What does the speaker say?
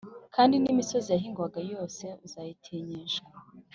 Kandi n imisozi yahingwaga yose uzayitinyishwa